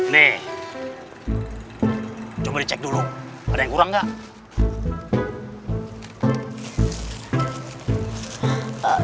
nih cuma dicek dulu ada yang kurang nggak